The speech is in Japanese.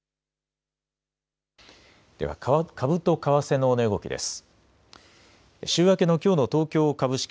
では株と為替の値動きです。